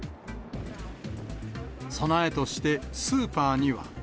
備えとして、スーパーには。